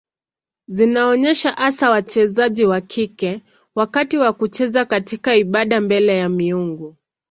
Zinaonyesha hasa wachezaji wa kike wakati wa kucheza katika ibada mbele ya miungu.